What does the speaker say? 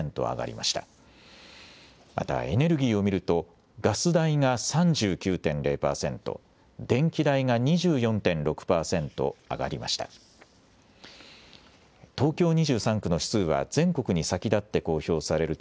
またエネルギーを見ると、ガス代が３９．０％、電気代が２４．６％上がりました。